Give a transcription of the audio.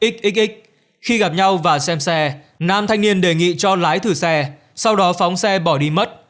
một trăm năm mươi bảy xxx khi gặp nhau và xem xe nam thanh niên đề nghị cho lái thử xe sau đó phóng xe bỏ đi mất